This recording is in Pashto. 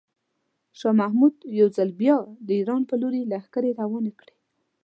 شاه محمود یو ځل بیا د ایران په لوري لښکرې روانې کړې.